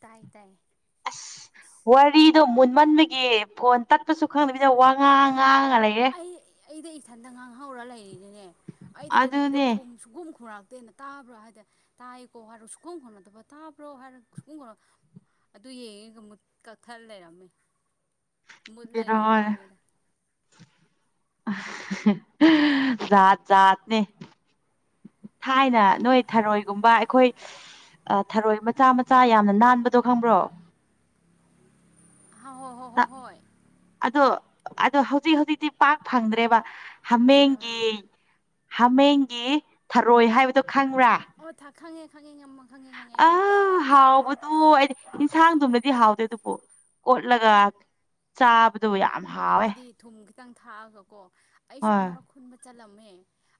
ꯇꯥꯏ ꯇꯥꯏ ꯑꯁ ꯑꯁ ꯋꯥꯔꯤꯗꯨ ꯃꯟꯕꯒꯤ ꯐꯣꯟ ꯇꯠꯄꯁꯨ ꯈꯪꯗꯕꯤꯗ ꯋꯥ ꯉꯥꯡ ꯉꯥꯡꯉ ꯂꯩꯔꯦ ꯑꯩ ꯑꯩꯗ ꯏꯊꯟꯇ ꯉꯥꯡꯍꯧꯔ ꯂꯩꯔꯤꯅꯤꯅꯦ ꯑꯩꯗꯤ ꯀꯔꯤ ꯏꯔꯧ ꯑꯗꯨꯅꯦ ꯁꯨꯒꯨꯝ ꯈꯔꯥꯛ ꯇꯦꯅ ꯇꯥꯕ꯭ꯔꯣ ꯍꯥꯏꯗꯤ ꯇꯥꯏꯀꯣ ꯍꯥꯏꯔꯣ ꯁꯨꯈꯝ ꯈꯣꯠꯅꯗꯕ ꯇꯥꯕ꯭ꯔꯣ ꯍꯥꯏꯔꯣ ꯁꯨꯈꯣ ꯈ ꯑꯗꯨ ꯌꯦꯡꯉꯤꯒ ꯑꯃꯨ ꯀꯛꯊꯠ ꯂꯩꯔꯝꯃꯤ ꯃꯗ ꯂꯩ ꯔꯝꯃꯣꯅꯦꯗ ꯠ ꯠꯅꯦ ꯊꯥꯏꯅ ꯅꯣꯏ ꯊꯔꯣꯏꯒꯨꯝꯕ ꯑꯩꯈꯣꯏ ꯊꯔꯣꯏ ꯃꯆꯥ ꯃꯆꯥ ꯌꯥꯝꯅ ꯅꯥꯟꯕꯗꯣ ꯈꯪꯕ꯭ꯔꯣ ꯑ ꯍꯣꯏ ꯍ ꯍꯣ ꯍꯣꯏ ꯑꯗꯣ ꯑꯗꯣ ꯍꯧꯖꯤꯛ ꯍꯧꯖꯤꯛꯇꯤ ꯄꯥꯛ ꯐꯪꯗ꯭ꯔꯦꯕ ꯍꯥꯃꯦꯡꯒꯤ ꯑꯥ ꯍꯥꯃꯦꯡꯒꯤ ꯊꯔꯣꯏ ꯍꯥꯏꯕꯗ ꯑꯣ ꯊꯥꯉꯦ ꯑ ꯍꯥꯎꯕꯗꯨ ꯑꯩꯗꯤ ꯌꯦꯟꯁꯥꯡꯗꯨꯃꯗꯤ ꯍꯥꯎꯗꯣꯏ ꯑꯗꯨꯕꯨ ꯑꯣꯣꯠꯂꯒ ꯆꯥꯕꯗꯨꯕꯨ ꯌꯥꯝ ꯍꯥꯎꯋꯦ ꯑꯩꯕꯨꯗꯤ ꯊꯨꯝ ꯈꯤꯇꯪ ꯊꯥꯛꯑꯒ ꯀꯣ ꯑꯩꯁꯨ ꯍꯣꯏ ꯑꯃꯨꯔꯛ ꯈꯨꯨꯟꯕ ꯆꯠꯂꯝ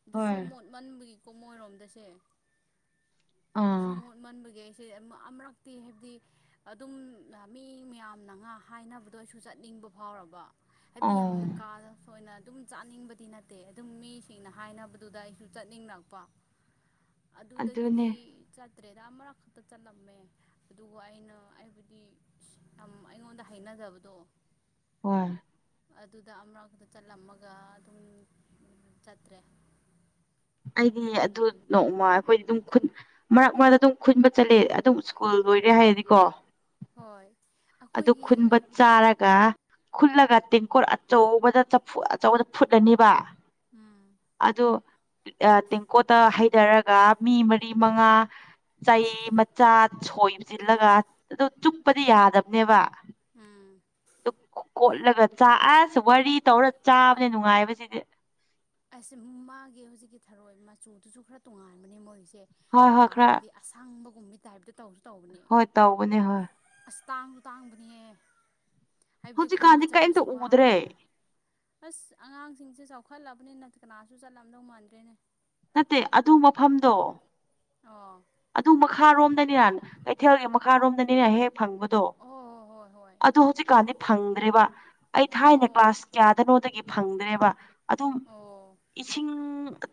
ꯑꯗꯨꯁꯨ ꯍꯣꯏ ꯃꯣꯠꯃꯟꯕꯒꯤꯀꯣ ꯃꯣꯏꯔꯣꯝꯗꯁꯦ ꯑꯁꯤꯁ ꯑꯥ ꯃꯣꯠ ꯃꯟꯕꯒꯦ ꯁ ꯑꯃꯨꯔꯛꯇꯤ ꯍꯥꯏꯕꯗꯤ ꯑꯗꯨꯝ ꯃꯤ ꯃꯌꯥꯝꯅ ꯉꯥ ꯍꯥꯏꯅꯕꯗꯣ ꯑꯩꯁꯨ ꯆꯠꯅꯤꯡ ꯇꯨꯝꯕ ꯐꯥꯎꯔꯕ ꯍꯥꯏꯕꯗꯤ ꯌꯥꯝ ꯑꯣ ꯀꯥ ꯑꯣꯏꯅ ꯑꯗꯨꯝ ꯆꯥꯅꯤꯡꯕꯗꯤ ꯅꯠꯇꯦ ꯑꯗꯨꯝ ꯃꯤꯁꯤꯡꯅ ꯍꯥꯏꯅꯕꯗꯨꯗ ꯑꯩꯁꯨ ꯆꯠꯅꯤꯡꯉꯛꯄ ꯑꯗꯨꯅꯦ ꯑꯗꯨꯗꯒꯤꯗꯤ ꯆ ꯇꯔꯦꯗ ꯑꯃꯛ ꯈꯛꯇ ꯆꯠꯂꯝꯃꯦ ꯑꯗꯨꯒ ꯑꯩꯅ ꯑꯩꯕꯨꯗꯤ ꯑꯩꯉꯣꯟꯗ ꯍꯩꯅꯖ ꯖꯕꯗꯣ ꯍ ꯑꯗꯨꯗ ꯑꯃꯨꯔꯛꯇ ꯆꯠꯂꯝꯃꯒ ꯑꯗꯨꯝ ꯆꯠꯇ꯭ꯔꯦ ꯑꯩꯗꯤ ꯑꯗꯨ ꯅꯣꯡꯃ ꯑꯩꯈꯣꯏꯗꯤ ꯑꯗꯨꯝ ꯃꯔꯛ ꯃꯔꯛꯇ ꯑꯗꯨꯝ ꯈꯨꯟꯕ ꯆꯠꯂꯦ ꯑꯗꯨꯝ ꯁ꯭ꯀꯨꯜ ꯂꯣꯏꯔꯦ ꯀ ꯍꯥꯏꯗꯤꯀꯣ ꯍꯣꯏ ꯑꯗꯨ ꯑꯩꯈꯣꯏꯒꯤ ꯈꯨꯟꯕ ꯍꯥꯏꯕꯗꯤ ꯆꯥꯔꯒ ꯈꯨꯜꯂꯒ ꯇꯦꯡꯀꯣꯠ ꯑꯆꯧꯕꯗ ꯆꯐꯨ ꯑꯆꯧꯕꯗ ꯐꯨꯠꯂꯅꯤꯕ ꯎꯝ ꯑꯗꯨ ꯇꯦꯡꯀꯣꯠꯇ ꯍꯩꯊꯔꯒ ꯃꯤ ꯃꯔꯤ ꯃꯉꯥ ꯆꯩ ꯃꯆꯥ ꯁꯣꯏꯕ ꯆꯜꯂꯒ ꯑꯗꯨ ꯆꯨꯞꯄꯗꯤ ꯌꯥꯗꯕꯅꯦꯕ ꯎꯝ ꯑꯗꯨ ꯀꯣꯠꯂꯒ ꯆꯥꯛ ꯑꯁ ꯋꯥꯔꯤ ꯇꯧꯔ ꯆꯥꯕꯅꯦ ꯅꯨꯡꯉꯥꯏꯕꯁꯤꯗꯤ ꯑꯩꯁꯦ ꯃꯥꯒꯤ ꯍꯧꯖꯤꯛꯀꯤ ꯊꯔꯣꯏ ꯃꯆꯨꯗꯨꯁꯨ ꯈꯔ ꯇꯣꯉꯥꯟꯕꯅꯦ ꯃꯣꯏꯁꯦ ꯁꯦ ꯍꯣꯏ ꯍꯣꯏ ꯈꯔ ꯍꯥꯏꯕꯗꯤ ꯑꯁꯥꯡꯕꯒꯨꯝꯕ ꯇꯥꯏꯞꯇ ꯇꯧ ꯍꯣꯏ ꯇꯧꯕꯅꯦ ꯍꯣꯏ ꯇꯥꯡꯁꯨ ꯇꯥꯡꯕꯅꯤꯌꯦ ꯍꯥꯏꯕꯗꯤ ꯈꯨꯟꯕ ꯍꯧꯖꯤꯛꯀꯥꯟꯗꯤ ꯀꯔꯤꯝꯇ ꯆꯠꯄꯁꯨ ꯎꯗ꯭ꯔꯦ ꯋꯥꯕꯅꯤꯅ ꯑꯁ ꯑꯉꯥꯡꯁꯤꯡꯁꯦ ꯆꯥꯎꯈꯠꯂꯕ ꯑꯗꯨꯕꯅꯤꯅ ꯀꯅꯥꯁꯨ ꯆꯠꯂꯝꯑꯗꯧ ꯃꯥꯟꯗ꯭ꯔꯦꯅꯦ ꯅꯠꯇꯦ ꯑꯗꯨ ꯃꯐꯝꯗꯣ ꯑꯣ [inaudible] ꯑꯗꯨ ꯃꯈꯥꯔꯣꯝꯗꯅꯤꯅ ꯀꯩꯊꯦꯜꯒꯤ ꯃꯈꯥꯔꯣꯝꯗꯅꯤꯅ ꯍꯦꯛ ꯐꯪꯕꯗꯣ ꯑꯣ ꯍꯣꯏ ꯍꯣꯏ ꯑꯗꯨ ꯍꯧꯖꯤꯛꯀꯥꯟꯗꯤ ꯐꯪꯗ꯭ꯔꯦꯕ ꯑꯩ ꯍꯣꯏ ꯊꯥꯏꯅ ꯑꯣ ꯀ꯭ꯂꯥꯁ ꯀꯌꯥꯗꯅꯣꯗꯒꯤ ꯐꯪꯗ꯭ꯔꯦꯕ ꯑꯗꯨꯝ ꯑꯣ ꯑꯣ ꯏꯁꯤꯡ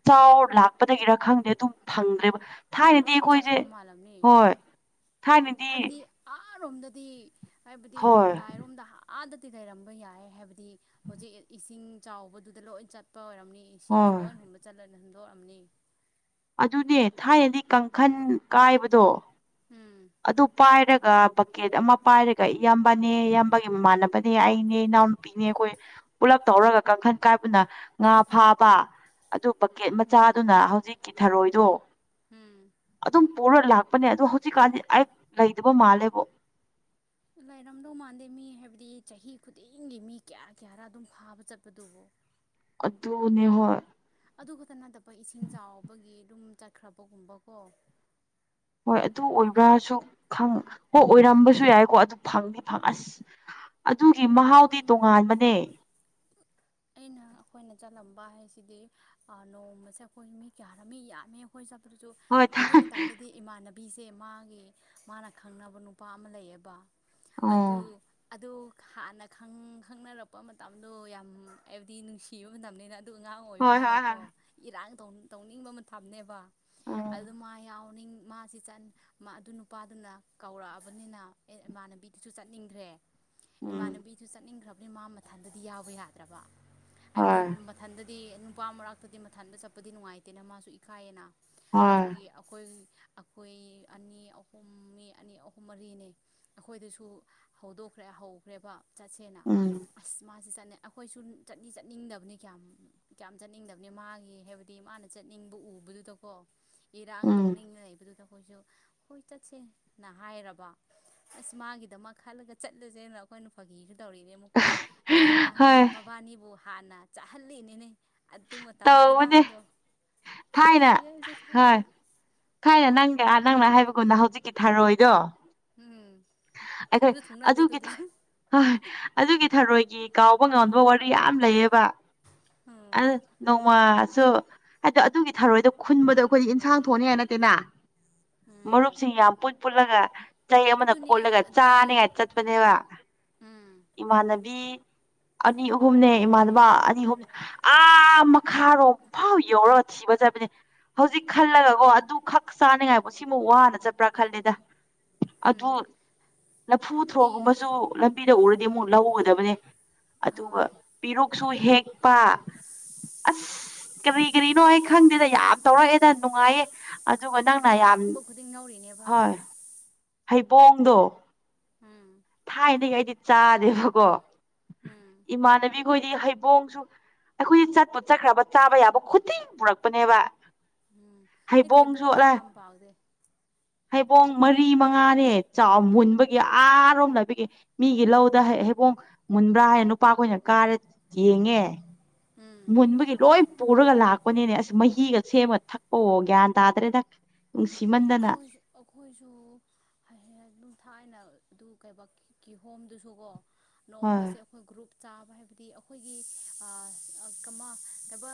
ꯆꯥꯎꯔ ꯂꯥꯛꯄꯗꯒꯤꯔ ꯈꯪꯗꯦ ꯑꯗꯨꯝ ꯐꯪꯗ꯭ꯔꯦꯕ ꯊꯥꯏꯅ ꯆꯥꯛꯈ꯭ꯔ ꯃꯥꯜꯂꯝꯅꯤ ꯊꯥꯏꯅꯗꯤ ꯍꯥꯏꯕꯗꯤ ꯑꯔꯣꯝꯗꯗꯤ ꯍꯥꯏꯕꯗꯤ ꯍꯣꯏ ꯃꯇꯥꯏꯔꯣꯝꯗ ꯑꯥꯗꯗꯤ ꯂꯩꯔꯝꯕ ꯌꯥꯏ ꯍꯥꯏꯕꯗꯤ ꯍꯧꯖꯤꯛ ꯏꯁꯤꯡ ꯆꯥꯎꯕꯗꯨꯗ ꯂꯣꯏꯅ ꯆꯠꯄ ꯑꯣꯏꯔꯝꯅꯤ ꯁꯤꯡꯅ ꯍꯣꯏ ꯂꯣꯏ ꯍ ꯆ ꯍꯨꯗꯣꯛꯑꯅꯤ ꯑꯗꯨꯅꯦ ꯊꯥꯏꯅꯗꯤ ꯀꯥꯡꯈꯟ ꯀꯥꯏꯕꯗꯣ ꯎꯝ ꯑꯗꯨ ꯄꯥꯏꯔꯒ ꯕꯛꯀꯦꯠ ꯑꯃ ꯄꯥꯏꯔꯒ ꯏꯌꯥꯝꯕꯅꯦ ꯏꯌꯥꯝꯕꯒꯤ ꯃꯃꯥꯟꯅꯕꯅꯦ ꯑꯩꯅꯦ ꯏꯅꯥꯎꯅꯨꯄꯤꯅꯦ ꯑꯩꯈꯣꯏ ꯄꯨꯜꯂꯞ ꯇꯧꯔꯒ ꯀꯥꯡꯈꯟ ꯀꯥꯏꯕꯅ ꯉꯥ ꯐꯥꯕ ꯑꯗꯨ ꯄꯛꯀꯦꯠ ꯎꯝ ꯃꯆꯥꯗꯨꯅ ꯍꯧꯖꯤꯛꯀꯤ ꯊꯔꯣꯏꯗꯣ ꯎꯝ ꯑꯗꯨꯝ ꯄꯨꯔ ꯂꯥꯛꯄꯅꯦ ꯑꯗꯣ ꯍꯧꯖꯤꯛꯀꯥꯟꯗꯤ ꯑꯩ ꯂꯩꯗꯕ ꯃꯥꯜꯂꯦꯕꯣ ꯂꯩꯔꯝꯗꯧ ꯃꯥꯟꯗꯦ ꯃꯤ ꯍꯥꯏꯕꯗꯤ ꯆꯍꯤ ꯈꯨꯗꯤꯡꯒꯤ ꯃꯤ ꯀꯌꯥ ꯀꯌꯥꯔ ꯑꯗꯨꯝ ꯐꯥꯕ ꯆꯠꯄꯗꯨꯕꯨ ꯑꯗꯨꯅꯦ ꯍꯣꯏ ꯑꯗꯨ ꯈꯛꯇ ꯅꯠꯇꯕ ꯏꯁꯤꯡ ꯆꯥꯎꯕꯒꯤ ꯑꯗꯨꯝ ꯆꯠꯈ꯭ꯔꯕꯒꯨꯝꯕꯀꯣ ꯍꯣꯏ ꯑꯗꯨ ꯑꯣꯏꯕ꯭ꯔꯥꯁꯨꯪ ꯍꯣꯏ ꯑꯣꯏꯔꯝꯕꯁꯨ ꯌꯥꯏꯀꯣ ꯑꯗꯨ ꯐꯪꯗꯤ ꯐꯪ ꯑꯁ ꯑꯗꯨꯒꯤ ꯃꯍꯥꯎꯗꯤ ꯑꯩꯈꯣꯏ ꯇꯣꯉꯥꯟꯕꯅꯦ ꯑꯩꯅ ꯑꯩꯈꯣꯏꯅ ꯆꯠꯂꯝꯕ ꯍꯥꯏꯁꯤꯗꯤ ꯅꯣꯡꯃꯁꯦ ꯑꯩꯈꯣꯏ ꯃꯤ ꯀꯌꯥꯔꯝꯃꯤ ꯌꯥꯝꯃꯤ ꯑꯩꯈꯣꯏ ꯆꯠ ꯑꯗꯨꯁꯨ ꯍꯣꯏ ꯑꯗꯨ ꯊꯥꯏ ꯃꯇꯝꯗꯗꯤ ꯏꯃꯥꯟꯅꯕ ꯕꯤꯁꯦ ꯃꯥꯒꯤ ꯃꯥꯅ ꯈꯪꯅꯕ ꯅꯨꯄꯥ ꯑꯃ ꯂꯩꯌꯦꯕ ꯑꯣ ꯑꯗꯨ ꯑ ꯍꯥꯟꯅ ꯈꯪꯅꯔꯛꯄ ꯃꯇꯝꯗꯣ ꯌꯥꯝ ꯍꯥꯏꯕꯗꯤ ꯅꯨꯡꯁꯤꯕ ꯃꯇꯝꯅꯤꯅ ꯑꯗꯨ ꯑꯉꯥꯡ ꯍꯣꯏ ꯍꯣꯏ ꯑꯣꯏꯕꯅꯤꯅꯀꯣ ꯍꯣꯏ ꯏꯔꯥꯡ ꯇꯧꯅꯤꯡꯕ ꯃꯇꯝꯅꯦꯕ ꯎꯝ ꯑꯗꯨ ꯃꯥ ꯌꯥꯎ ꯃꯅꯤꯡ ꯃꯥꯁꯤ ꯑꯗꯨ ꯅꯨꯄꯥꯗꯨꯅ ꯀꯧꯔꯛꯑꯕꯅꯤꯅ ꯑꯦ ꯏꯃꯥꯟꯅꯕꯤꯗꯨꯁꯨ ꯆꯠꯅꯤꯡꯈ꯭ꯔꯦ ꯎꯝ ꯏꯃꯥꯟꯅꯕꯤꯗꯨ ꯆꯠꯅꯤꯡꯈ꯭ꯔꯕꯅꯤ ꯃꯥ ꯃꯊꯟꯗꯗꯤ ꯌꯥꯎꯕ ꯌꯥꯗ꯭ꯔꯕ ꯍꯥꯏꯕꯗꯤ ꯍꯣꯏ ꯃꯊꯟꯗ ꯇ ꯅꯨꯄꯥ ꯃꯔꯥꯛꯇꯗꯤ ꯃꯊꯟꯗ ꯆꯠꯄꯗꯤ ꯅꯨꯡꯉꯥꯏꯇꯦꯅ ꯃꯥꯁꯨ ꯏꯈꯥꯏꯌꯦꯅ ꯍꯣꯏ ꯑꯗꯨꯒꯤ ꯑꯩꯈꯣꯏ ꯑꯩꯈꯣꯏ ꯑꯅꯤ ꯑꯍꯨꯝ ꯃꯤ ꯑꯅꯤ ꯑꯍꯨꯝ ꯃꯔꯤꯅꯤ ꯑꯩꯈꯣꯏꯗꯁꯨ ꯍꯧꯗꯣꯛꯈ꯭ꯔꯦ ꯍꯧ ꯈ꯭ꯔꯦꯕ ꯆꯠꯁꯦꯅ ꯎꯝ ꯑꯁ ꯃꯥꯁꯦ ꯆꯠꯅ ꯑꯩꯈꯣꯏꯁꯨ ꯆꯠꯅꯤ ꯆꯠꯅꯤꯡꯗꯕꯅꯤ ꯀꯌꯥꯝ ꯀꯌꯥꯝ ꯆꯠꯅꯤꯡꯗꯕꯅꯤ ꯃꯥꯒꯤ ꯍꯥꯏꯕꯗꯤ ꯃꯥꯅ ꯆꯠꯅꯤꯡꯕ ꯎ ꯎꯕꯗꯨꯗꯀꯣ ꯏꯔꯥꯡ ꯎꯝ ꯇꯧꯅꯤꯡꯅ ꯂꯩꯕꯗꯨꯗꯣ ꯑꯩꯈꯣꯏꯁꯨ ꯍꯣꯏ ꯆꯠꯁꯦꯅ ꯍꯥꯏꯔꯕ ꯑꯁ ꯃꯥꯒꯤꯗꯃꯛ ꯈꯜꯂꯒ ꯆꯠꯂꯨꯁꯦꯅ ꯑꯩꯈꯣꯏꯅ ꯐꯥꯒꯤꯒ ꯇꯧꯔꯤꯅꯦ ꯑꯃꯨꯛꯀꯣ ꯑꯩꯁꯦ ꯍꯣꯏ ꯃꯕꯥꯅꯤꯕꯨ ꯍꯥꯟꯅ ꯆꯥꯍꯜꯂꯤꯅꯤꯅꯦ ꯑꯗꯨ ꯃꯇꯝꯗ ꯇꯧꯕꯅꯦ ꯏꯔꯥꯡꯗꯣ ꯀꯥꯏꯖꯩꯌꯦ ꯍꯧꯁꯦ ꯈꯜꯂꯒ ꯈꯥꯏꯅ ꯅꯪꯒ ꯅꯪꯅ ꯍꯥꯏꯕꯒꯨꯝꯅ ꯍꯧꯖꯤꯛꯀꯤ ꯊꯥꯔꯣꯏꯗꯣ ꯎꯝ ꯑꯩꯈꯣꯏ ꯊꯨꯡꯁꯨ ꯊꯨꯡꯅꯗꯦ ꯑꯗꯨꯒꯤ ꯑꯗꯨꯗꯨꯁꯨ ꯍꯣꯏ ꯑꯗꯨꯒꯤ ꯊꯔꯣꯏ ꯒꯤ ꯀꯥꯎꯕ ꯉꯕ ꯋꯥꯔꯤ ꯌꯥꯝ ꯂꯩꯌꯦꯕ ꯎꯝ ꯑ ꯅꯣꯡꯃꯁꯨ ꯍꯥꯏꯗꯣ ꯑꯗꯨꯒꯤ ꯊꯔꯣꯏꯗꯣ ꯈꯨꯟꯕꯗꯣ ꯑꯩꯈꯣꯏꯗꯤ ꯏꯟꯁꯥꯡ ꯊ ꯊꯣꯛꯅꯤ ꯍꯥꯏ ꯅꯠꯇꯦ ꯅ ꯎꯝ ꯃꯔꯨꯞꯁꯤꯡ ꯌꯥꯝ ꯄꯨꯠ ꯄꯨꯠꯂꯒ ꯆꯩ ꯑꯃꯅ ꯑꯗꯨꯅꯦ ꯀꯣꯜꯂꯒ ꯑꯗꯨꯒꯤ ꯆꯥꯅꯤꯉꯥꯏ ꯆꯠꯄꯅꯦꯕ ꯎꯝ ꯏꯃꯥꯟꯅꯕꯤ ꯑꯅꯤ ꯑꯍꯨꯝꯅꯦ ꯏꯃꯥꯟꯅꯕ ꯑꯅꯤ ꯑꯍꯨꯝꯅꯦ ꯑꯥ ꯃꯈꯥꯔꯣꯝ ꯐꯥꯎ ꯌꯧꯔꯒ ꯊꯤꯕ ꯖꯕꯅꯦ ꯍꯧꯖꯤꯛ ꯈꯜꯂꯒꯀꯣ ꯑꯗꯨ ꯈꯛ ꯆꯥꯅꯤꯡꯉꯥꯏꯕ ꯁꯤꯃ ꯋꯥꯅ ꯆꯠꯄ꯭ꯔꯥ ꯈꯜꯂꯦꯗ ꯑꯗꯨ ꯎꯝ ꯂꯐꯨ ꯍꯥꯏꯕꯗꯤ ꯊ꯭ꯔꯣꯒꯨꯝꯕꯁꯨ ꯂꯝꯕꯤꯗ ꯎꯔꯗꯤ ꯑꯃꯨꯛ ꯂꯧꯒꯗꯕꯅꯦ ꯑꯗꯨꯒ ꯍꯣꯏ ꯄꯤꯔꯨꯛꯁꯨ ꯍꯦꯛꯄ ꯑꯁ ꯀꯔꯤ ꯀꯔꯤꯅꯣ ꯑꯩ ꯈꯪꯗꯦꯗ ꯌꯥꯝ ꯇꯧꯔꯛꯑꯦꯗ ꯅꯨꯡꯉꯥꯏꯌꯦ ꯑꯗꯨꯒ ꯑꯩꯈꯣꯏꯁꯦ ꯅꯪꯅ ꯌꯥꯝ ꯑꯐꯪꯕ ꯈꯨꯗꯤꯡ ꯉꯧꯔꯤꯅꯦꯕ ꯍꯣꯏ ꯍꯩꯕꯣꯡꯗꯣ ꯎꯝ ꯊꯥꯏꯅꯗꯒꯤ ꯑꯩꯗꯤ ꯆꯥꯗꯦꯕꯀꯣ ꯎꯝ ꯏꯃꯥꯟꯅꯕꯤ ꯑꯩꯈꯣꯏꯗꯤ ꯍꯩꯕꯣꯡꯁꯨ ꯑꯩꯈꯣꯏꯗꯤ ꯆꯠꯄꯨ ꯆꯠꯈ꯭ꯔꯕ ꯆꯥꯕ ꯌꯥꯕ ꯈꯨꯗꯤꯡ ꯄꯨꯔꯛꯄꯅꯦꯕ ꯎꯝ ꯑꯩ ꯍꯩꯕꯣꯡꯁꯨ ꯊꯩꯕꯣꯡꯗꯤ ꯑꯂꯥꯏ ꯀꯌꯥꯝ ꯄꯥꯎꯗꯦ ꯍꯩꯕꯣꯡ ꯃꯔꯤ ꯃꯉꯥꯅꯦ ꯆꯥꯎ ꯃꯨꯟꯕꯒꯤ ꯑꯥꯔꯣꯝ ꯕꯤꯒꯤ ꯃꯤꯒꯤ ꯂꯧꯗ ꯍꯩꯕꯣꯡ ꯃꯨꯟꯕ꯭ꯔꯥ ꯍꯥꯏꯅ ꯅꯨꯄꯥꯈꯣꯏꯅ ꯀꯥꯔ ꯌꯦꯡꯉꯦ ꯎꯝ ꯃꯨꯟꯕꯒꯤ ꯂꯣꯏ ꯄꯨꯔꯒ ꯂꯥꯛꯄꯅꯤꯅꯦ ꯑꯁ ꯃꯍꯤꯒ ꯁꯦꯝꯃ ꯊꯛꯄꯑꯣ ꯒ꯭ꯌꯥꯟ ꯇꯥꯗ꯭ꯔꯦꯗ ꯅꯨꯡꯁꯤꯃꯟꯗꯅ ꯑꯩꯈꯣꯏ ꯑꯩꯈꯣꯏꯁꯨ ꯑꯗꯨꯝ ꯊꯥꯏꯅ ꯑꯗꯨ ꯀꯩꯕꯥꯛꯀꯤ ꯍꯣꯝꯗꯨꯁꯨꯀꯣ ꯍꯣꯏ ꯅꯣꯡꯃꯁꯦ ꯑꯩꯈꯣꯏ ꯒ꯭ꯔꯨꯞ ꯆꯥꯕ ꯍꯥꯏꯕꯗꯤ ꯑꯩꯈꯣꯏꯒꯤ ꯀꯃꯕ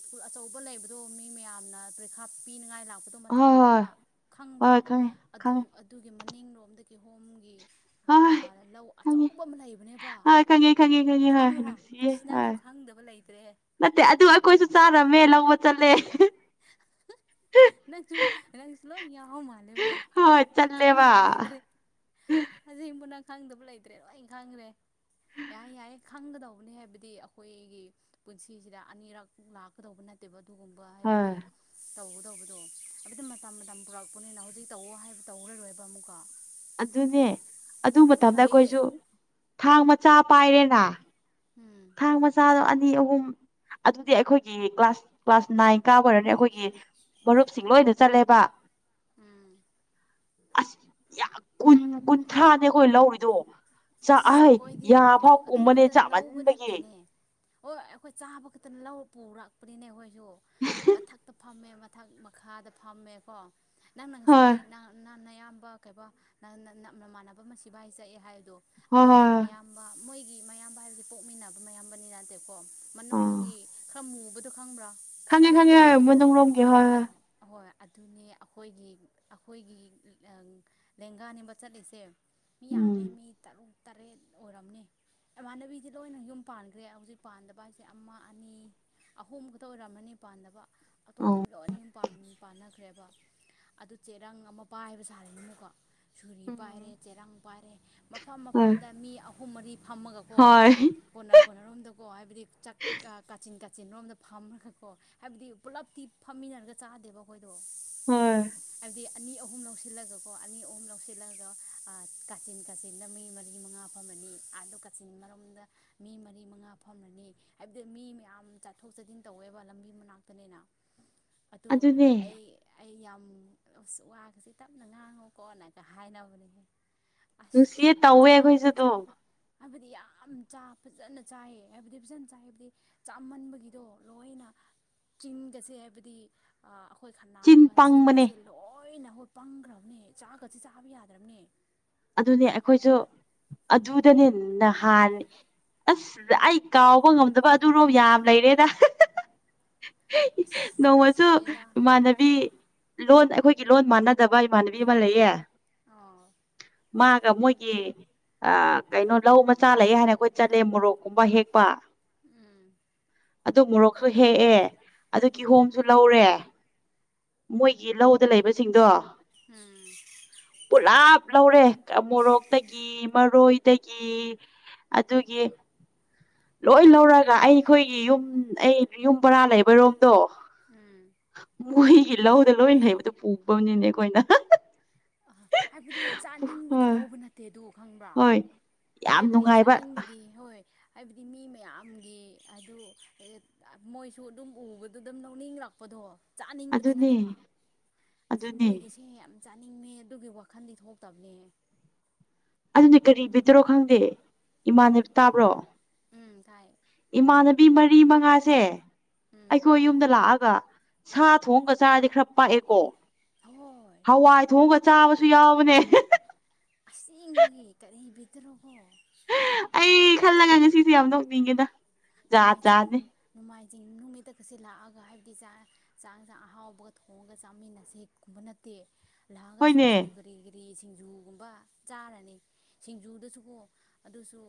ꯁ꯭ꯀꯨꯜ ꯑꯆꯧꯕ ꯂꯩꯕꯗ ꯑꯗꯣ ꯃꯤ ꯃꯌꯥꯝꯅ ꯄꯔꯤꯈꯥ ꯄꯤꯅꯤꯡꯉꯥꯏ ꯂꯥꯛꯄ ꯍꯣꯏ ꯍꯣꯏ ꯊꯛꯂꯣꯝꯗ ꯈꯪꯕ꯭ꯔꯥ ꯍꯣꯏ ꯈꯪꯉꯦ ꯑꯗꯨ ꯈꯪꯉꯦ ꯑꯗꯨꯒꯤ ꯃꯅꯤꯡꯂꯣꯝꯗꯒꯤ ꯍꯣꯝꯒꯤ ꯍꯣꯏ ꯈꯪꯉꯦ ꯑꯆꯧꯕ ꯑꯃ ꯂꯩꯕꯅꯦꯕ ꯍꯣꯏ ꯈꯪꯉꯦ ꯈꯪꯉꯦ ꯈꯪꯉꯦ ꯍꯣꯏ ꯈꯪꯕ꯭ꯔꯥ ꯅꯨꯡꯁꯤꯌꯦ ꯑꯁ ꯅꯪꯁꯨ ꯍꯣꯏ ꯈꯪꯗꯕ ꯂꯩꯇ꯭ꯔꯦ ꯅꯠꯇꯦ ꯑꯗꯨ ꯑꯩꯈꯣꯏꯁꯨ ꯆꯥꯔꯝꯃꯦ ꯂꯧꯕ ꯆꯠꯂꯦ [unintelligible] ꯅꯪꯆꯨ ꯅꯒꯁꯂꯣ ꯌꯥꯎ ꯃꯥꯂꯦꯕꯣ ꯍꯣꯏ ꯆꯠꯂꯦꯕ ꯈꯪꯗꯕꯂꯏꯇ꯭ꯔꯦ ꯑꯁꯤꯕꯨꯅ ꯈꯪꯗꯕ ꯂꯩꯇ꯭ꯔꯦ ꯂꯣꯏ ꯈꯪꯈ꯭ꯔꯦ ꯌꯥꯏ ꯌꯥꯏ ꯈꯪꯒꯗꯧꯕꯅꯤ ꯍꯥꯏꯕꯗꯤ ꯑꯩꯈꯣꯏꯒꯤ ꯄꯨꯟꯁꯤꯁꯤꯗ ꯑꯅꯤꯔꯛ ꯂꯥꯛꯀꯗꯧꯕ ꯅꯠꯇꯦ ꯅꯠꯇꯦꯕ ꯑꯗꯨꯒꯨꯝꯕ ꯍꯣꯏ ꯍꯥꯏꯕꯗꯤ ꯇꯧ ꯇꯧꯕꯗꯣ ꯑꯗꯨꯕꯗꯤ ꯃꯇꯝ ꯃꯇꯝ ꯄꯨꯔꯛꯄꯅꯤꯅ ꯍꯧꯖꯤꯛ ꯇꯧ ꯍꯥꯏꯕ ꯇꯧꯔꯔꯣꯏꯕ ꯑꯃꯨꯛꯀ ꯑꯗꯨꯅꯦ ꯑꯗꯨ ꯃꯇꯝꯗ ꯑꯩꯈꯣꯏꯁꯨ ꯊꯥꯡ ꯃꯆꯥ ꯄꯥꯏꯔꯦꯅ ꯎꯝ ꯊꯥꯡ ꯃꯆꯥꯗꯣ ꯑꯅꯤ ꯑꯍꯨꯝ ꯑꯗꯨꯗꯤ ꯑꯩꯈꯣꯏꯒꯤ ꯀ꯭ꯂꯥꯁ ꯀ꯭ꯂꯥꯁ ꯅꯥꯏꯟ ꯀꯥ ꯑꯣꯏꯔꯅꯤ ꯑꯩꯈꯣꯏꯒꯤ ꯃꯔꯨꯞꯁꯤꯡ ꯂꯣꯏꯅ ꯆꯠꯂꯦꯕ ꯎꯝ ꯑꯁ ꯀꯨꯟ ꯀꯨꯟꯊ꯭ꯔꯥꯅꯦ ꯑꯩꯈꯣꯏ ꯂꯧꯔꯤꯗꯣ ꯆꯑ ꯑꯁ ꯌꯥ ꯐꯥꯎ ꯀꯃꯅꯦ ꯆ ꯑ ꯅꯦ ꯑꯣ ꯑꯩꯈꯣꯏ ꯆꯥꯕ ꯈꯛꯇ ꯂꯧ ꯄꯨꯔꯛꯄꯅꯤꯅꯦ ꯑꯩꯈꯣꯏꯁꯨ ꯃꯊꯛꯇ ꯐꯝꯃꯦ ꯃꯊꯛ ꯃꯈꯥꯗ ꯐꯝꯃꯦꯀꯣ ꯅꯪ ꯅꯪ ꯁꯥꯏ ꯍꯣꯏ ꯀꯩꯕ ꯀꯩꯕ ꯅ ꯅ ꯅ ꯅꯃꯥꯟꯅꯕꯃ ꯁꯤꯕꯥꯢ [unintelligible] ꯍꯥꯢꯕꯗꯣ ꯍꯣꯏ ꯍꯣꯏ ꯑꯗꯨꯒꯤ ꯍꯣꯏ ꯃꯌꯥꯝꯕ ꯃꯣꯢ ꯑꯩꯒꯤ ꯃꯌꯥꯝꯕ ꯍꯥꯏꯕꯗꯤ ꯄꯣꯛꯃꯤꯟꯅꯕ ꯃꯌꯥꯝꯕꯅꯤ ꯅꯠꯇꯦꯀꯣ ꯑꯥ ꯃꯅꯨꯡꯒꯤ ꯈꯔ ꯃꯨꯕꯗꯣ ꯈꯪꯕ꯭ꯔꯥ ꯈꯪꯉꯦ ꯃꯅꯨꯡꯗ ꯈꯪꯉꯦ ꯍꯥꯏꯔ ꯂꯩꯕꯗꯣ ꯅ ꯂꯣꯝꯒꯤ ꯍꯣꯏ ꯍꯣꯏ ꯍꯣꯏ ꯑꯗꯨꯅꯦ ꯑꯩꯈꯣꯏꯒꯤ ꯑꯩꯈꯣꯏꯒꯤ ꯂꯦꯡꯒꯥꯅꯦꯕ ꯆꯠꯂꯤꯁꯦ ꯃꯤ ꯎꯝ ꯌꯥꯝꯃꯦ ꯃꯤ ꯇꯔꯨꯛ ꯇꯔꯦꯠ ꯑꯣꯏꯔꯝꯅꯦ ꯏꯃꯥꯟꯅꯕꯤꯁꯦ ꯂꯣꯏꯅ ꯌꯨꯝ ꯄꯥꯟꯈ꯭ꯔꯦ ꯍꯧꯖꯤꯛ ꯄꯥꯟꯗꯕ ꯍꯥꯏꯁꯦ ꯑꯃ ꯑꯅꯤ ꯑꯍꯣꯡꯕꯛꯇ ꯑꯣꯏꯔꯝꯃꯅꯤ ꯄꯥꯟꯗꯅꯕ ꯑꯣ ꯑꯇꯣꯞꯄꯗꯤ ꯂꯣꯏꯅ ꯄꯥꯟꯅꯈ꯭ꯔꯦꯕ ꯑꯗꯨ ꯆꯦꯔꯪ ꯑꯃ ꯄꯥꯏ ꯍꯥꯏꯕ ꯁꯥꯔꯅꯤꯅꯀꯣ ꯁꯨꯔꯤ ꯄꯥꯏꯔꯦ ꯎꯝ ꯆꯦꯔꯪ ꯄꯥꯏꯔꯦ ꯃꯐꯝ ꯍꯣꯏ ꯃꯐꯝꯗ ꯃꯤ ꯑꯍꯨꯝ ꯃꯔꯤ ꯐꯝꯃꯒꯀꯣ ꯍꯣꯏ ꯀꯣꯟꯅꯔ ꯈꯣꯅꯔꯣꯝꯗꯀꯣ ꯍꯥꯏꯕꯗꯤ ꯆꯥꯛ ꯀꯥꯆꯤꯟ ꯀꯤꯟ ꯆꯦꯂꯣꯝꯗ ꯐꯝꯃꯔꯒꯀꯣ ꯍꯥꯏꯕꯗꯤ ꯄꯨꯂꯞꯇꯤ ꯐꯝꯃꯤꯟꯅꯔꯒ ꯆꯥꯗꯦꯕ ꯑꯩꯈꯣꯏ ꯍꯣꯏ ꯑꯗꯨꯗꯤ ꯑꯅꯤ ꯑꯍꯨꯝ ꯂꯧꯁꯤꯜꯂꯒꯀꯣ ꯑꯅꯤ ꯑꯍꯨꯝ ꯂꯧꯁꯤꯜꯂꯒ ꯀꯥꯆꯤꯟ ꯀꯥꯆꯤꯟ ꯃꯤ ꯃꯔꯤ ꯃꯉꯥ ꯐꯝꯃꯅꯤ ꯑꯥꯗ ꯀꯥꯆꯤꯟ ꯃꯔꯣꯝꯗ ꯃꯤ ꯃꯔꯤ ꯃꯉꯥ ꯐꯝꯃꯅꯤ ꯍꯥꯏꯕꯗꯤ ꯃꯤ ꯃꯌꯥꯝ ꯆꯠꯊꯣꯛ ꯆꯠꯁꯤꯟ ꯇꯧꯋꯦꯕ ꯂꯝꯕꯤ ꯃꯅꯥꯛꯇꯅꯤꯅ ꯑꯗꯨ ꯑꯗꯨꯅꯦ ꯑꯩ ꯑꯩ ꯌꯥꯝ ꯋꯥꯒꯁꯤ ꯇꯞꯅ ꯉꯥꯡꯉꯨꯀꯣꯅꯒ ꯍꯥꯏꯅꯕꯅꯤꯍ ꯅꯨꯡꯁꯤꯌꯦ ꯇꯧꯋꯦ ꯑꯩꯈꯣꯏꯁꯨꯗꯣ ꯍꯥꯏꯕꯗꯤ ꯌꯥꯝ ꯆ ꯐꯖꯅ ꯆꯥꯏꯌꯦ ꯍꯥꯏꯕꯗꯤ ꯐꯖꯅ ꯆꯥꯏ ꯍꯥꯏꯕꯗꯤ ꯆꯥꯃꯟꯕꯒꯤꯗꯣ ꯂꯣꯏꯅ ꯆꯤꯟꯒꯁꯦ ꯍꯥꯏꯕꯗꯤ ꯑꯩꯈꯣꯏ ꯆꯤꯟ ꯈꯅꯥꯎꯒ ꯄꯪꯕꯅꯦ ꯆꯤꯟꯒꯁꯦ ꯂꯣꯏꯅ ꯑꯩꯈꯣꯏ ꯄꯪꯈ꯭ꯔꯕꯅꯦ ꯆꯥꯒꯁꯦ ꯆꯥꯕ ꯌꯥꯗ꯭ꯔꯕꯅꯦ ꯑꯗꯨꯅꯦ ꯑꯩꯈꯣꯏꯁꯨ ꯑꯗꯨꯗꯅꯦ ꯅꯍꯥꯟ ꯑꯁ ꯑꯩ ꯀꯥꯎꯕ ꯉꯝꯗꯕ ꯑꯗꯨꯔꯣꯝ ꯌꯥꯝ ꯂꯩꯔꯦꯗ ꯑꯁ ꯅꯣꯡꯃꯁꯨ ꯅꯨꯡꯁꯤꯌꯦꯗ ꯏꯃꯥꯟꯅꯕꯤ ꯂꯣꯟ ꯑꯩꯈꯣꯏꯒꯤ ꯂꯣꯟ ꯃꯥꯟꯅꯗꯕ ꯏꯃꯥꯟꯅꯕꯤ ꯑꯃ ꯂꯩꯌꯦ ꯑ ꯃꯥꯒ ꯃꯣꯏꯒꯤ ꯑ ꯀꯩꯅꯣ ꯂꯧ ꯃꯆꯥ ꯂꯩꯑꯦ ꯍꯥꯏꯅ ꯑꯩꯈꯣꯏ ꯆꯠꯂꯦ ꯃꯣꯔꯣꯛꯀꯨꯝꯕ ꯍꯦꯛꯄ ꯎꯝ ꯑꯗꯨ ꯃꯣꯔꯣꯛꯁꯨ ꯍꯦꯛꯑꯦ ꯑꯗꯨ ꯀꯤꯍꯣꯝꯁꯨ ꯂꯧꯔꯦ ꯃꯣꯏꯒꯤ ꯂꯧꯗ ꯂꯩꯕꯁꯤꯡꯗꯣ ꯎꯝ ꯄꯨꯂꯥꯞ ꯂꯧꯔꯦ ꯃꯣꯔꯣꯛꯇꯒꯤ ꯃꯔꯣꯏꯗꯒꯤ ꯑꯗꯨꯒꯤ ꯂꯣꯏ ꯂꯧꯔꯒ ꯑꯩꯈꯣꯏꯒꯤ ꯌꯨꯝ ꯑꯩ ꯌꯨꯝ ꯕꯔꯥ ꯂꯩꯕꯔꯣꯝꯗꯣ ꯎꯝ ꯏ ꯂꯧꯗ ꯂꯣꯏꯅ ꯍꯩꯕꯗꯨꯣ ꯄꯨꯕꯅꯤꯅꯦ ꯑꯩꯈꯣꯏꯅ ꯍꯥꯏꯕꯗꯤ ꯆꯥꯅꯤꯡꯕꯒꯤ ꯍꯣꯏ ꯂꯧꯕ ꯅꯠꯇꯦ ꯑꯗꯨ ꯈꯪꯕ꯭ꯔꯥ ꯍꯣꯏ ꯌꯥꯝ ꯍꯥꯏꯕꯗꯤ ꯅꯨꯡꯉꯥꯏꯕ ꯆꯥꯅꯤꯡꯕꯒꯤ ꯍꯣꯏ ꯍꯥꯏꯕꯗꯤ ꯃꯤ ꯃꯌꯥꯝꯒꯤ ꯑꯗꯨ ꯃꯣꯏꯁꯨ ꯑꯗꯨꯝ ꯎꯕꯗ ꯑꯗꯨꯝ ꯂꯧꯅꯤꯡꯂꯛꯄꯗꯣ ꯆꯥꯅꯤꯡꯕꯗꯤ ꯑꯗꯨꯅꯦ ꯅꯠꯇꯕ ꯑꯗꯨ ꯑꯗꯨꯅꯦ ꯃꯣꯏꯒꯤꯁꯦ ꯌꯥꯝ ꯆꯥꯅꯤꯡꯃꯦ ꯑꯗꯨꯒꯤ ꯋꯥꯈꯟꯗꯤ ꯊꯣꯛꯇꯕꯅꯦ ꯑꯗꯨꯅꯦ ꯀꯔꯤ ꯄꯤꯗ꯭ꯔꯣ ꯈꯪꯗꯦ ꯏꯃꯥꯟ ꯇꯥꯕ꯭ꯔꯣ ꯎꯝ ꯇꯥꯏ ꯏꯃꯥꯟꯅꯕꯤ ꯃꯔꯤ ꯃꯉꯥꯁꯦ ꯎꯝ ꯑꯩꯈꯣꯏ ꯌꯨꯝꯗ ꯂꯥꯛꯑꯒ ꯁꯥ ꯊꯣꯡꯑꯉꯒ ꯆꯥꯔꯗꯤ ꯈꯔ ꯄꯥꯛꯑꯦꯀꯣ ꯍꯣꯏ ꯍꯋꯥꯏ ꯊꯣꯡꯉꯒ ꯆꯥꯕꯁꯨ ꯌꯥꯎꯕꯅꯦ ꯑꯁꯦꯡꯕꯒꯤ ꯀꯔꯤꯕꯤꯗ꯭ꯔꯣꯕꯣ ꯑꯩ ꯈꯜꯂꯒ ꯉꯁꯤꯁꯦ ꯌꯥꯝ ꯅꯣꯛꯅꯤꯡꯉꯦꯗ ꯖꯥꯠ ꯅꯣꯡꯃꯥꯏꯖꯤꯡ ꯖꯥꯠꯅꯦ ꯅꯣꯡꯃꯥꯏꯖꯤꯡ ꯅꯨꯣꯡꯃꯤ ꯍꯟꯗꯛꯀꯁꯦ ꯂꯥꯛꯑꯒ ꯍꯥꯏꯕꯗꯤ ꯆꯥꯛ ꯆꯥꯛꯁꯥꯛ ꯑꯍꯥꯎꯕꯒ ꯊꯣꯡꯉꯒ ꯆꯥꯃꯤꯟꯅꯁꯦꯒꯨꯝꯕ ꯅꯠꯇꯦ ꯂꯥꯛꯑꯒ ꯍꯣꯏꯅꯦ ꯁꯤꯡꯖꯨ ꯀꯔꯤ ꯀꯔꯤ ꯁꯤꯡꯖꯨꯒꯨꯝꯕ ꯆꯥꯔꯅꯤ ꯁꯤꯡꯖꯨꯗꯁꯨꯀꯣ ꯑꯗꯨꯁꯨ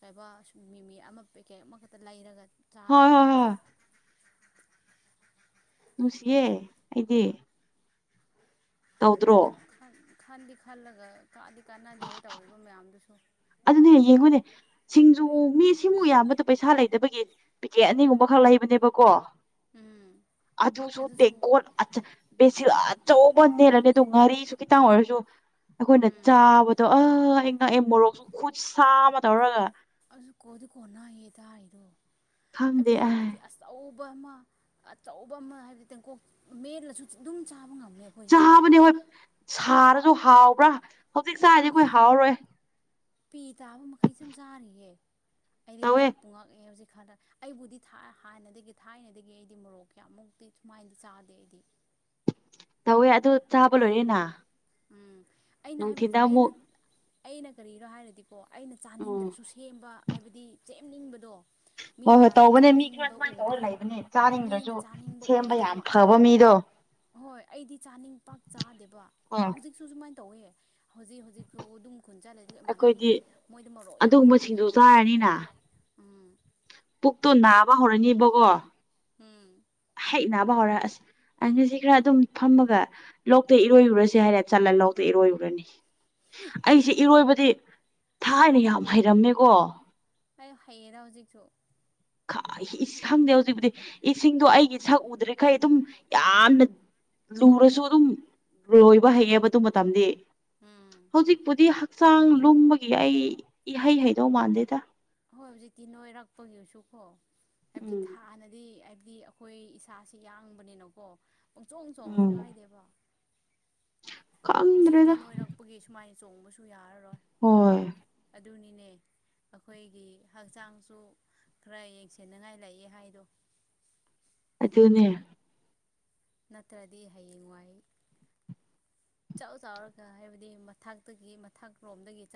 ꯀꯩꯕ ꯃꯤꯃꯤ ꯑꯃ ꯄꯦꯛꯀꯦ ꯑꯃꯈꯛꯇ ꯂꯩꯔꯒ ꯍꯣꯏ ꯆꯥꯗꯣꯏꯅꯦ ꯍꯣꯏ ꯑꯗꯨꯁꯨ ꯍꯣꯏ ꯅꯨꯡꯁꯤ ꯌꯦꯦ ꯑꯩꯗꯤ ꯍꯥꯎꯗ꯭ꯔꯣ ꯈꯟꯗꯤ ꯈꯜꯂꯒ ꯀꯥꯗꯤ ꯀꯥꯟꯅꯗꯦꯍꯦ ꯇꯧꯔꯤꯕ ꯃꯌꯥꯝꯗꯨꯁꯨ ꯑꯗꯨꯅꯦ ꯌꯦꯡꯉꯨꯅꯦ ꯁꯤꯡꯖꯨ ꯃꯤ ꯁꯤꯃꯨꯛ ꯌꯥꯝꯕꯗꯣ ꯄꯩꯁꯥ ꯂꯩꯗꯕꯒꯤ ꯄꯤꯀꯦꯠ ꯑꯅꯤꯒꯨꯝꯕꯈꯛ ꯂꯩꯕꯅꯦꯕꯀꯣ ꯎꯝ ꯑꯗꯨ ꯑꯗꯨꯁꯨ ꯇ ꯀꯣꯁꯤ ꯑꯆꯧꯕ ꯅꯦꯜꯂꯅꯤ ꯑꯗꯨ ꯉꯥꯔꯤꯁꯨ ꯈꯤꯇꯪ ꯑꯣꯏꯔꯁꯨ ꯑꯩꯈꯣꯏꯅ ꯎꯝ ꯆꯥꯕꯗꯣ ꯑ ꯅꯪ ꯑꯦ ꯃꯣꯔꯣꯛꯁꯨ ꯈꯨꯠ ꯁꯥ ꯑꯃ ꯇꯧꯔꯒ ꯑꯗꯨ ꯀꯣꯗꯤ ꯀꯣꯅꯅꯥꯌꯦ ꯇꯔꯤꯗꯣ ꯈꯪꯗꯦ ꯍꯥꯏꯕꯗꯤ ꯑꯥꯏ ꯍꯥꯏꯕꯗꯤ ꯑꯁ ꯑꯆꯧꯕ ꯑꯃ ꯑꯆꯧꯕ ꯑꯃ ꯍꯥꯏꯕꯗꯤ ꯇꯦꯡꯀꯣꯛ ꯃꯦꯜꯂꯁꯨ ꯑꯗꯨꯝ ꯆꯥꯕ ꯉꯝꯝꯕ ꯆꯥꯕꯅꯦ ꯍꯣꯏ ꯁꯥꯔꯁꯨ ꯍꯥꯎꯕ꯭ꯔꯥ ꯍꯧꯖꯤꯛ ꯆꯥꯔꯤꯗꯤ ꯑꯩꯈꯣꯏ ꯃꯤꯠ ꯍꯥꯎꯔꯣꯏ ꯄꯤ ꯇꯥꯕ ꯃꯈꯩ ꯁꯨꯝ ꯆꯥꯔꯤꯌꯦꯦ ꯑꯩꯔꯤꯡ ꯇꯧꯋꯦ ꯉꯍꯥꯛ ꯄꯨꯡꯉꯛꯑꯦ ꯍꯧꯖꯤꯛ ꯈꯂꯦ ꯑꯩꯕꯨꯗꯤ ꯍꯥꯟꯅꯗꯒꯤ ꯊꯥꯏꯅꯗꯒꯤ ꯑꯩꯗꯤ ꯃꯣꯔꯣꯛ ꯀꯌꯥꯃꯨꯛꯇꯤ ꯁꯨꯃꯥꯏꯅꯗꯤ ꯆꯥꯗꯦ ꯑꯩꯗꯤ ꯇꯧꯋꯦ ꯑꯗꯨ ꯆꯥꯕ ꯂꯣꯏꯔꯦꯅ ꯎꯝ ꯑꯩꯅ ꯍꯥꯏꯕ ꯅꯨꯡꯊꯤꯟꯗ ꯑꯩꯅ ꯑꯃꯨꯛ ꯑꯩꯅ ꯀꯔꯤꯔꯣ ꯍꯥꯏꯔꯗꯤꯀꯣ ꯑꯩꯅ ꯎꯝ ꯆꯥꯅꯤꯡꯗ꯭ꯔꯁꯨ ꯁꯦꯝꯕ ꯍꯥꯏꯕꯗꯤ ꯆ ꯁꯦꯝꯅꯤꯡꯕꯗꯣ ꯃꯤ ꯍꯣꯏ ꯍꯣꯏ ꯃꯌꯥꯝꯅ ꯇꯧꯕꯅꯦ ꯃꯤ ꯈꯔ ꯆꯥꯅꯤꯡꯕ ꯑꯗꯨꯃꯥꯏꯅ ꯇꯧꯔ ꯎꯕꯗꯨꯗ ꯂꯩꯕꯅꯦ ꯍꯣꯏ ꯆꯥꯅꯤꯡꯗ꯭ꯔꯁꯨ ꯃꯤꯅ ꯆꯥꯅꯤꯡꯕ ꯁꯦꯝꯕ ꯌꯥꯝ ꯎꯔꯗꯤꯀꯣ ꯑꯩ ꯐꯕ ꯃꯤꯗꯣ ꯍꯣꯏ ꯑꯩꯗꯤ ꯆꯥꯅꯤꯡ ꯄꯥꯛ ꯆꯥꯗꯦꯕ ꯑꯣ ꯍꯧꯖꯤꯛꯁꯨ ꯁꯨꯃꯥꯏꯅ ꯇꯧꯋꯦ ꯍꯧꯖꯤꯛ ꯍꯧꯖꯤꯛꯐꯥꯎ ꯑꯗꯨꯝ ꯈꯨꯟ ꯆꯜꯂꯦꯗ ꯏꯃꯥꯟꯅꯕꯤꯗꯤ ꯑꯩꯈꯣꯏꯗꯤ ꯃꯣꯏꯗ ꯃꯣꯔꯣꯛ ꯌꯥꯝ ꯄꯥꯝꯃꯦꯕ ꯎꯝ ꯄꯨ ꯕꯥ ꯍꯧꯔꯅꯤ ꯏꯕꯀꯣ ꯎꯝ ꯍꯦꯛ ꯅꯥꯕ ꯍꯧꯔꯛꯑꯁ ꯑ ꯉꯁꯤ ꯈꯔ ꯑꯗꯨꯝ ꯐꯝꯃꯒ ꯂꯣꯛꯇ ꯏꯔꯣꯏꯔꯨꯔꯁꯤꯦ ꯍꯥꯏꯔꯦ ꯆꯠꯂ ꯂꯧꯗ ꯏꯔꯣꯏꯔꯨꯔꯅꯤ ꯑꯩꯁꯦ ꯏꯔꯣꯏꯕꯗꯤ ꯊꯥꯏꯅ ꯌꯥꯝ ꯍꯩꯔꯝꯃꯦꯀꯣ ꯑꯩ ꯍꯩꯌꯦꯗ ꯍꯧꯖꯤꯛꯁꯨ ꯈꯪꯗꯦ ꯍꯧꯖꯤꯛꯄꯨꯗꯤ ꯏꯁꯤꯡꯗꯣ ꯑꯩꯒꯤ ꯁꯛ ꯎꯗ꯭ꯔꯤꯈꯩ ꯑꯗꯨꯝ ꯌꯥꯝꯅ ꯂꯨꯔꯁꯨ ꯑꯗꯨꯝ ꯂꯣꯏꯕ ꯍꯩꯌꯦꯕ ꯑꯗꯨ ꯃꯇꯝꯗꯤ ꯎꯝ ꯍꯧꯖꯤꯛꯄꯨꯗꯤ ꯍꯛꯆꯥꯡ ꯂꯨꯝꯕꯒꯤ ꯑꯩ ꯏꯍꯩ ꯍꯩꯗꯧ ꯃꯥꯟꯗꯦꯗ ꯍꯣꯏ ꯍꯧꯖꯤꯛꯇꯤ ꯅꯣꯏꯔꯛꯄꯒꯤꯁꯨꯀꯣ ꯍꯥꯏꯕꯗꯤ ꯎꯝ ꯍꯥꯟꯅꯗꯤ ꯍꯥꯏꯗꯤ ꯑꯩꯈꯣꯏ ꯏꯁꯥꯁꯤ ꯌꯥꯡꯕꯅꯤꯅꯀꯣ ꯆꯣꯡ ꯎꯝ ꯆꯣꯡꯉꯁꯨ ꯀꯥꯏꯗꯦꯕ ꯍꯧꯖꯤꯛꯇꯤ ꯈꯪꯗ꯭ꯔꯦꯗ ꯅꯣꯏꯔꯛꯄꯒꯤ ꯁꯨꯃꯥꯏꯅ ꯆꯣꯡꯕꯁꯨ ꯌꯥꯔꯔꯣꯏ ꯍꯣꯏ ꯑꯗꯨꯨꯅꯤꯅꯦ ꯑꯩꯈꯣꯏꯒꯤ ꯍꯛꯆꯥꯡꯁꯨ ꯈꯔ ꯌꯦꯡꯁꯟꯅꯤꯉꯥꯏ ꯂꯩꯥꯛꯑꯦ ꯍꯥꯏꯗꯣ [inaudible] ꯑꯗꯨꯅꯦ ꯅꯠꯇ꯭ꯔꯗꯤ ꯍꯌꯦꯡꯋꯥꯏ ꯆꯥꯎꯥꯛ ꯆꯥꯎꯔꯒ ꯍꯥꯏꯕꯗꯤ ꯃꯊꯇꯒꯤ ꯃꯊꯛꯂꯣꯝꯗꯒꯤ